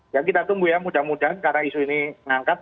ya kita tunggu ya mudah mudahan karena isu ini mengangkat